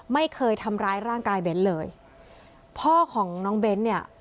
ไม่เคยทำร้ายร่างกายเบ้นเลยพ่อของน้องเบ้นเนี่ย